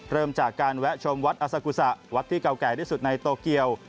เริ่มจากการแวะชมวัดอซากุศะวัดที่เก่าแก่ที่สุดในโตเกียว